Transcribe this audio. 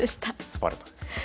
スパルタですね。